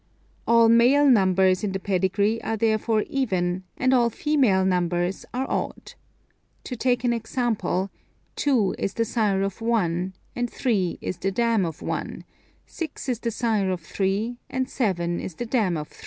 All male numbers in the pedigree are therefore even, and all female numbers are odd. To take an example — 2 is the sire of i, and 3 is the dam of i ; 6 is the sire of 3, and 7 is the dam of 3.